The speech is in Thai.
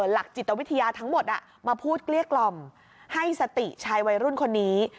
หลักจิตวิทยาทั้งหมดมาพูดเกลี้ยกล่อมให้สติชายวัยรุ่นคนนี้